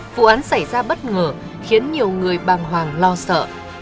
vụ án xảy ra bất ngờ khiến nhiều người bàng hoàng lo sợ